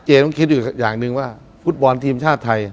ต้องคิดอยู่อย่างหนึ่งว่าฟุตบอลทีมชาติไทย